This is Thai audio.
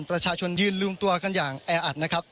ประชาชนยืนรวมตัวกันอย่างแออัดนะครับ